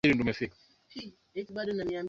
mkoa wa iringa una watu laki tisa